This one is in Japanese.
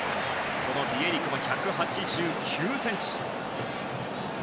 このビエリクも１８９ｃｍ。